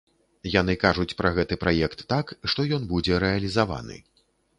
Яны кажуць пра гэты праект так, што ён будзе рэалізаваны.